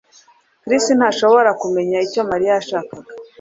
Chris ntashobora kumenya icyo Mariya yashakaga